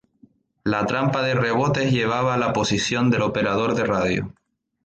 La trampa de rebotes llevaba a la posición del operador de radio.